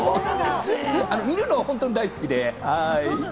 見るのは本当に大好きで。